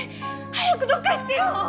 早くどっか行ってよ！